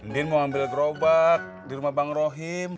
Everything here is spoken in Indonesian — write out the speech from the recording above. din mau ambil gerobak di rumah bang rohim